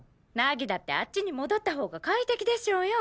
凪だってあっちに戻ったほうが快適でしょうよ。